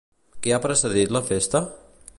Què ha precedit la festa?